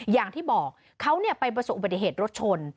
อย่างที่บอกเขาไปประสบอุบัติเหตุรถชน